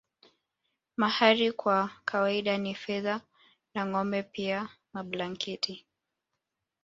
Mahari kwa kawaida ni fedha na ngombe pia mablanketi